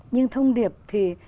nhưng thông điệp thì